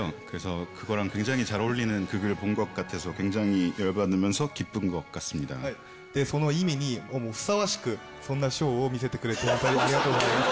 韓国語でその意味にをもふさわしくそんなショーを見せてくれてホントにありがとうございます。